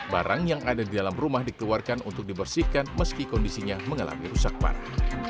barang yang ada di dalam rumah dikeluarkan untuk dibersihkan meski kondisinya mengalami rusak parah